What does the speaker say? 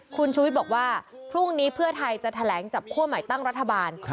คุณชูวิทย์บอกว่าพรุ่งนี้เพื่อไทยจะแถลงจับคั่วใหม่ตั้งรัฐบาล